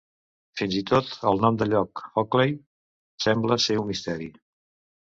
Fins i tot el nom de lloc "Hockley" sembla ser un misteri.